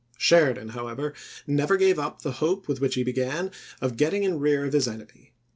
Sheridan, how ever, never gave up the hope with which he began of getting in rear of his enemy.